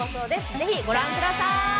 ぜひご覧ください。